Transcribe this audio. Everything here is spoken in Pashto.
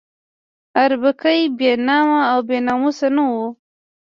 اربکی بې نامه او بې ناموسه نه وو.